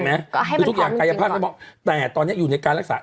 ก็ให้มันพร้อมจริงก็บอกแต่ตอนนี้อยู่ในการรักษา